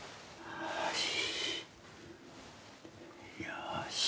よし。